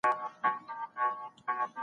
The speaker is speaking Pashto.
ادم د خدای په اطاعت کي بشپړ و.